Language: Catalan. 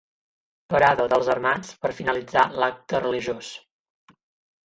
Parada dels armats per finalitzar l'acte religiós.